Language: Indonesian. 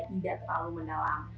tidak terlalu mendalam